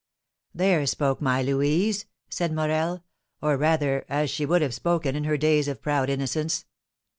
"There spoke my Louise," said Morel, "or, rather, as she would have spoken in her days of proud innocence.